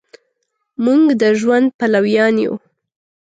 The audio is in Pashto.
مونږ د ژوند پلویان یو